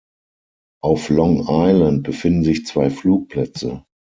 Auf Long Island befinden sich zwei Flugplätze.